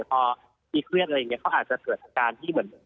พอมีเครียดอะไรอย่างนี้เขาอาจจะเกิดอาการที่เหมือน